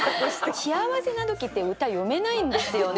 幸せな時って歌詠めないんですよね。